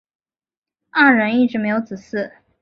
二人一直没有子嗣。